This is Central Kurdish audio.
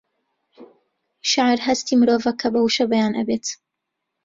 شێعر هەستی مرۆڤە کە بە وشە بەیان ئەبێت